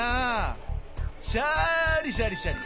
シャリシャリシャリ！